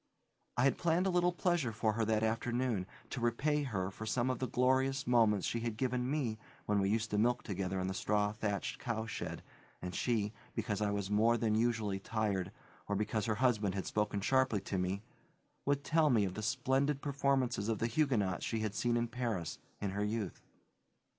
I had planned a little pleasure for her that afternoon, to repay her for some of the glorious moments she had given me when we used to milk together in the straw thatched cowshed and she, because I was more than usually tired, or because her husband had spoken sharply to me, would tell me of the splendid performance of the Huguenots she had seen in Paris, in her youth.